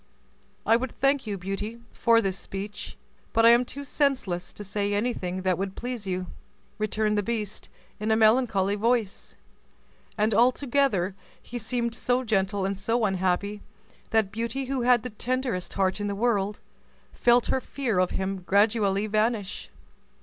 "I would thank you, Beauty, for this speech, but I am too senseless to say anything that would please you," returned the beast in a melancholy voice; and altogether he seemed so gentle and so unhappy that Beauty, who had the tenderest heart in the world, felt her fear of him gradually vanish.